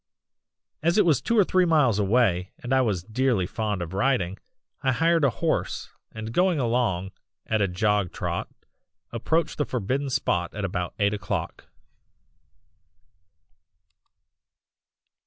"As it was two or three miles away, and I was dearly fond of riding, I hired a horse and going along at a jog trot approached the forbidden spot at about eight o'clock.